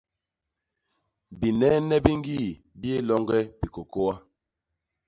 Binenne bi ñgii bi yé loñge bikôkôa.